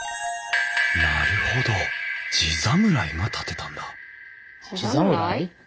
なるほど地侍が建てたんだじざむらい？